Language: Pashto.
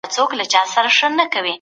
ښه ذهنیت آرامتیا نه کموي.